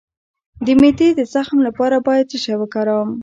د معدې د زخم لپاره باید څه شی وکاروم؟